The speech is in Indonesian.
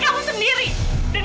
kamu dusta tolong